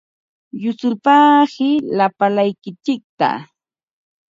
Yusulpaaqi lapalaykitsikta.